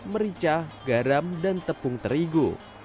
merica garam dan tepung terigu